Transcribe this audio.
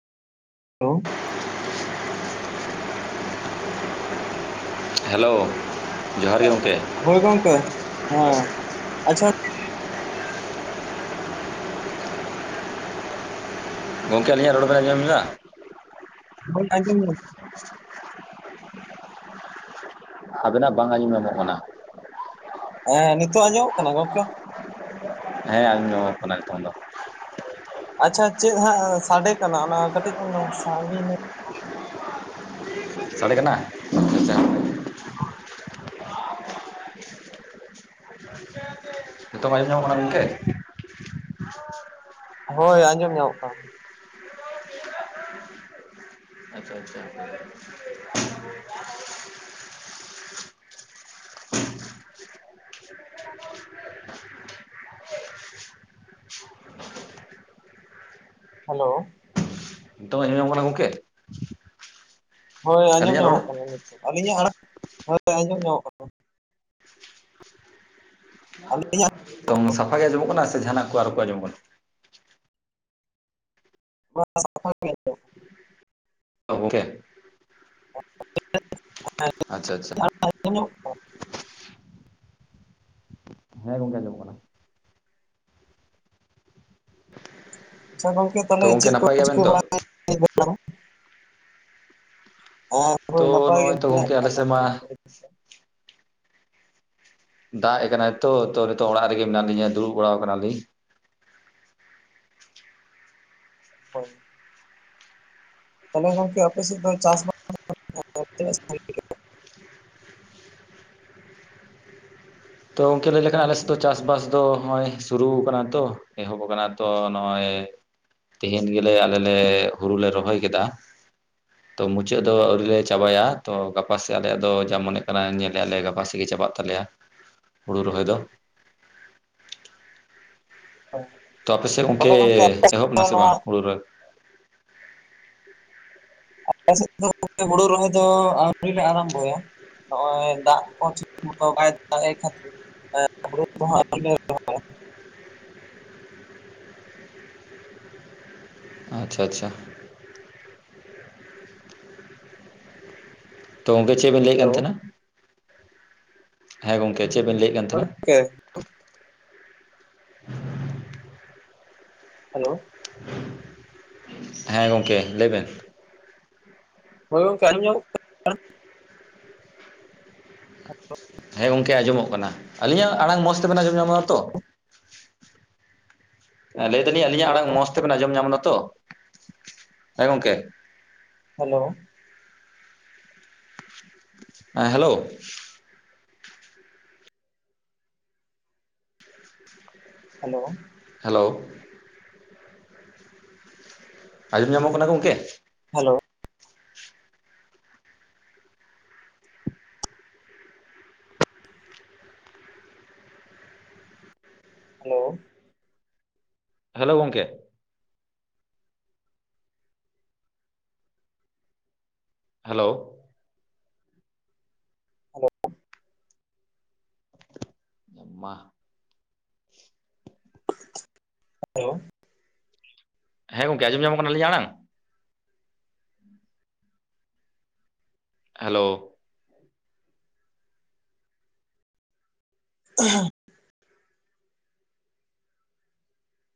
Hello hello ᱡᱚᱦᱟᱨ ᱜᱮ ᱜᱚᱝᱠᱮ᱾ ᱦᱚᱭ ᱜᱚᱝᱠᱮ ᱦᱮᱸ ᱟᱪᱪᱷᱟ ᱜᱚᱢᱠᱮ ᱟᱹᱞᱤᱧᱟᱜ ᱨᱚᱲ ᱵᱮᱱ ᱟᱡᱚᱢᱮᱫᱟ? ᱚ [unintelligible] [unintelligible] ᱟᱵᱮᱱᱟᱜ ᱵᱟᱝ ᱟᱸᱡᱚᱢ ᱧᱟᱢᱚᱜ ᱠᱟᱱᱟ ᱦᱮᱸ ᱱᱤᱛᱚᱜ ᱟᱸᱡᱚᱢᱚᱜ ᱠᱟᱱᱟ ᱜᱚᱝᱠᱮ? ᱦᱮᱸ ᱟᱸᱡᱚᱢᱟ ᱠᱟᱱᱟ ᱱᱤᱛᱚᱝ ᱫᱚ᱾ ᱟᱪᱪᱷᱟ ᱪᱮᱫ ᱦᱟᱸᱜ ᱥᱟᱰᱮ ᱠᱟᱱᱟ ᱚᱱᱟ ᱠᱟᱹᱴᱤᱡ ᱵᱚᱱ ᱥᱟᱸᱜᱤᱧ ᱥᱟᱲᱮ ᱠᱟᱱᱟ [unintelligible] ᱱᱤᱛᱚᱜ ᱟᱸᱡᱚᱢᱚᱜ ᱧᱟᱢᱚᱜ ᱠᱟᱱᱟ ᱜᱚᱢᱠᱮ? ᱦᱳᱭ ᱟᱸᱡᱚᱢ ᱧᱟᱢᱚᱜ ᱠᱟᱱᱟ᱾ [unintelligible] ᱦᱮᱞᱳ ᱱᱤᱛᱚ ᱢᱮᱧᱚᱢᱚᱜ ᱠᱟᱱᱟ ᱜᱚᱝᱠᱮ ᱦᱳᱭ ᱟᱸᱡᱚᱢ ᱟᱹᱞᱤᱧᱟᱜ ᱨᱚᱲ ᱧᱟᱢᱚᱜ ᱠᱟᱱᱟ ᱱᱤᱛᱚᱜ ᱟᱹᱞᱤᱧᱟᱜ ᱟᱲᱟᱝ ᱦᱳᱭ ᱟᱸᱡᱚᱢ ᱧᱟᱢᱚᱜ ᱠᱟᱱᱟ᱾ ᱟ [unintelligible] ᱱᱤᱛᱚᱝ ᱥᱟᱯᱷᱟ ᱜᱮ ᱟᱸᱡᱚᱢᱚᱜ ᱠᱟᱱᱟ ᱥᱮ ᱡᱟᱦᱟᱱᱟᱜ ᱠᱚ ᱟᱨᱚ ᱠᱚ ᱟᱸᱡᱚᱜ ᱠᱟᱱᱟ? ᱥᱟᱯᱷᱟ ᱜᱮ ᱟᱡᱚᱢᱚᱜ ᱠᱟᱱᱟ᱾ ᱜᱚᱢᱠᱮ [unintelligible] ᱟᱪᱪᱷᱟ ᱟᱪᱪᱷᱟ [unintelligible] ᱦᱮᱸ ᱜᱚᱝᱠᱮ ᱟᱸᱚᱢᱚᱜ ᱠᱟᱱᱟ᱾ ᱟᱪᱪᱷᱟ ᱜᱚᱝᱠᱮ ᱛᱟᱦᱚᱞᱮ ᱛᱚ ᱜᱚᱝᱠᱮ ᱪᱮᱫ ᱠᱚ ᱱᱟᱯᱟᱭ ᱜᱮᱭᱟᱵᱮᱱ ᱪᱤᱠᱟᱹ ᱛᱚ ᱵᱟᱲᱟᱭᱟ ᱟᱨ [unintelligible] ᱦᱳᱭ ᱛᱚ ᱱᱟᱯᱟᱭ ᱜᱮ ᱱᱚᱜᱼᱚᱭ ᱛᱚ ᱢᱮᱱᱟᱜ [inaudible] ᱜᱚᱝᱠᱮ ᱟᱞᱮ ᱥᱮᱫ ᱢᱟ ᱫᱟᱜ ᱮ ᱠᱟᱱᱟᱭ ᱛᱳ ᱛᱳ ᱱᱤᱛᱚᱜ ᱚᱲᱟᱜ ᱨᱮᱜᱮ ᱢᱮᱱᱟᱜ ᱞᱤᱧᱟ ᱫᱩᱲᱩᱵ ᱵᱟᱲᱟᱣ ᱠᱟᱱᱟᱞᱤᱧ᱾ ᱦᱳᱭ ᱟᱫᱚ ᱜᱚᱝᱠᱮ ᱟᱯᱮ ᱥᱮᱫ ᱫᱚ ᱪᱟᱥ [unintelligible] ᱛᱤᱱᱟᱹᱜ ᱥᱟᱸᱜᱤᱧ ᱠᱮᱜᱼᱟ ᱛᱚ ᱚᱝᱠᱮ ᱞᱟᱹᱭ ᱞᱮᱠᱷᱟᱱ ᱟᱞᱮᱥᱮᱫ ᱫᱚ ᱪᱟᱥᱵᱟᱥ ᱫᱚ ᱱᱚᱜᱼᱚᱭ ᱥᱩᱨᱩ ᱠᱟᱱᱟ ᱛᱚ ᱮᱦᱚᱵ ᱠᱟᱱᱟ ᱛᱚ ᱱᱚᱜᱼᱚᱭ ᱛᱮᱦᱮᱧ ᱜᱮᱞᱮ ᱟᱞᱮ ᱞᱮ ᱦᱩᱨᱩ ᱞᱮ ᱨᱚᱦᱚᱭ ᱠᱮᱫᱟ᱾ [unintelligible] ᱛᱚ ᱢᱩᱪᱟᱹᱫ ᱫᱚ ᱟᱹᱣᱨᱤ ᱞᱮ ᱪᱟᱵᱟᱭᱟ ᱛᱚ ᱜᱟᱯᱟᱥᱮᱜ ᱟᱞᱮᱭᱟᱜ ᱫᱚ ᱡᱟ ᱢᱚᱱᱮᱜ ᱠᱟᱱᱟ ᱧᱮᱞᱮᱜᱼᱟᱞᱮ ᱜᱟᱯᱟ ᱥᱮᱜ ᱜᱮ ᱪᱟᱵᱟᱜ ᱛᱟᱞᱮᱭᱟ᱾ ᱦᱩᱲᱩ ᱨᱚᱦᱚᱭ ᱫᱚ᱾ [unintelligible] ᱛᱚ ᱟᱯᱮᱥᱮᱫ ᱜᱚᱱᱠᱮ ᱛᱟᱦᱚᱞᱮ ᱜᱚᱝᱠᱮ ᱟᱯᱮ ᱥᱮᱫ ᱮᱦᱚᱵ ᱫᱚ ᱮᱱᱟ ᱥᱮ ᱱᱚᱣᱟ ᱵᱟᱝ ᱦᱩᱲᱩ ᱨᱚᱦᱚᱭ? ᱟᱯᱮ ᱥᱮᱫ ᱦᱩᱲᱩ ᱨᱚᱦᱚᱭ ᱫᱚ ᱟᱹᱣᱨᱤᱤᱞ ᱞᱮ ᱟᱨᱟᱢᱵᱚᱭᱟ᱾ ᱱᱚᱜᱼᱚᱭ ᱫᱟᱜ ᱠᱚ ᱴᱷᱤᱠ ᱢᱚᱛᱚ ᱵᱟᱭ ᱫᱟᱜᱮᱜ ᱠᱷᱟᱛᱤᱨ ᱦᱩᱲᱩ ᱠᱚᱦᱚᱸ᱾ [unintelligible] ᱟᱪᱪᱷᱟ ᱟᱪᱪᱷᱟ ᱛᱚ ᱜᱚᱝᱠᱮ ᱪᱮᱜ ᱵᱤᱱ ᱞᱟᱹᱭᱮᱜ ᱦᱮᱞᱳ ᱠᱟᱱ ᱛᱟᱦᱮᱸᱱᱟ ᱦᱮᱸ ᱜᱚᱝᱠᱮ ᱪᱮᱜ ᱵᱤᱱ ᱞᱟᱹᱭᱮᱜ ᱠᱟᱱ ᱦᱳᱭ ᱛᱟᱦᱮᱸᱱᱟ? ᱜᱚᱝᱠᱮ ᱦᱮᱞᱳ ᱦᱮᱸ ᱜᱚᱝᱠᱮ ᱞᱟᱹᱭ ᱵᱮᱱ ᱦᱳᱭ ᱜᱚᱝᱠᱮ ᱟᱸᱡᱚᱢ [unintelligible] ᱦᱮᱸ ᱜᱚᱝᱠᱮ ᱟᱸᱡᱚᱢᱚᱜ ᱠᱟᱱᱟ ᱟᱹᱞᱤᱧᱟᱜ ᱟᱲᱟᱝ ᱢᱚᱸᱡᱽ ᱛᱮᱵᱮᱱ ᱟᱸᱡᱚᱢ ᱧᱟᱢᱚᱜᱼᱟ ᱛᱚ᱾ ᱞᱟᱹᱭ ᱮᱫᱟᱞᱤᱧ ᱟᱹᱞᱤᱧᱟᱜ ᱟᱲᱟᱝ ᱧᱟᱢᱚᱜ ᱢᱚᱸᱡᱽ ᱛᱮᱵᱮᱱ ᱟᱸᱡᱚᱢ ᱧᱟᱢᱱᱟᱛᱚ ᱦᱮᱸ ᱜᱚᱝᱠᱮ? ᱦᱮᱞᱳ ᱦᱮᱸ ᱦᱮᱞᱳ ᱦᱮᱞᱳ ᱦᱮᱞᱳ ᱟᱸᱡᱚᱢ ᱧᱟᱢᱚᱜ ᱠᱟᱱᱟ ᱜᱚᱝᱠᱮ? ᱦᱮᱞᱳ ᱦᱮᱞᱳ ᱦᱮᱞᱳ ᱜᱚᱝᱠᱮ [unintelligible] [unintelligible] ᱦᱮᱞᱳ ᱦᱮᱞᱳ ᱟᱭᱟ ᱢᱟᱦ ᱦᱮᱞᱳ [unintelligible] ᱦᱮᱸ ᱜᱚᱝᱠᱮ ᱟᱸᱡᱚᱢ ᱧᱟᱢᱚᱜ ᱠᱟᱱᱟ ᱟᱞᱤᱧᱟᱜ ᱟᱲᱟᱝ ᱦᱮᱞᱳ [unintelligible]